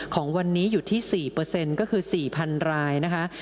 ของวันนี้อยู่ที่๔ก็คือ๔๐๐๐รายนะคะ